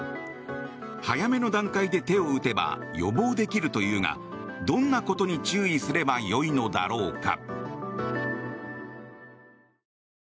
早めの段階で手を打てば予防できるというがどんなことに注意すればよいのだろうか。